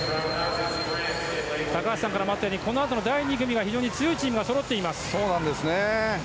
高橋さんからもあったようにこのあとの第２組非常に強いチームがそろっています。